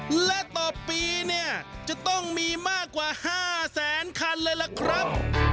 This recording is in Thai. และต่อปีเนี่ยจะต้องมีมากกว่า๕แสนคันเลยล่ะครับ